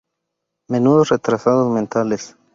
Menudos retrasados mentales".